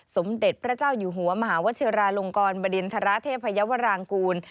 สมเด็จพระเจ้าอยู่หัวมหาวชิราลงกรบดินทรเทพยาวรางกูล